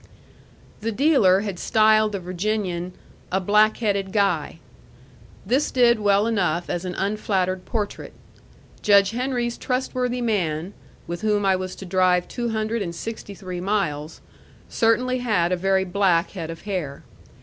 The dealer had styled the Virginian "a black headed guy." This did well enough as an unflattered portrait. Judge Henry's trustworthy man, with whom I was to drive two hundred and sixty three miles, certainly had a very black head of hair.